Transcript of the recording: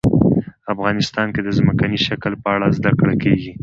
افغانستان کې د ځمکنی شکل په اړه زده کړه کېږي.